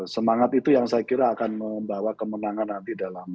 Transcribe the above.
semangat itu yang saya kira akan membawa kemenangan nanti dalam